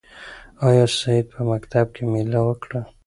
آیا سعید په مکتب کې مېله وکړه؟